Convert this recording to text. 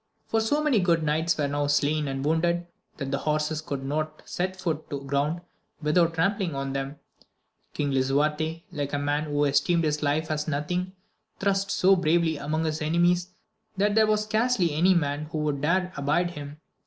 For so many good knights were now slain and wounded, that the horses could not set foot to ground without trampling on them. King Lisuarte, like a man who esteemed his life as nothing, thrust so bravely among his enemies, that there wa^ scarcely any man who would dare abide him.